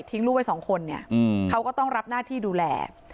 ทิ้งลูกไว้๒คนเขาก็ต้องรับหน้าที่ดูแล